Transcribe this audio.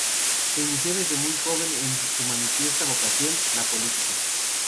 Se inició desde muy joven en su manifiesta vocación, la política.